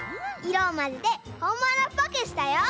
いろをまぜてほんものっぽくしたよ。